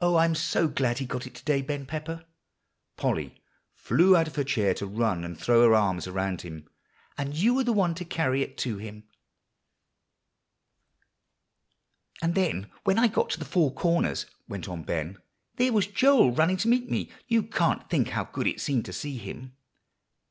"Oh, I am so glad he got it to day, Ben Pepper!" Polly flew out of her chair to run and throw her arms around him. "And you were the one to carry it to him." [Illustration: Polly threw her arms around Ben.] "And then when I got to the Four Corners," went on Ben, "there was Joel running to meet me. You can't think how good it seemed to see him!"